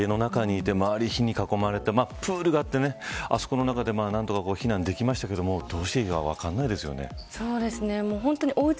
佳菜ちゃん、ああやって家の中にいて、火に囲まれてプールがあって、あそこの中で避難できましたけどどうしていいか分からないですよね。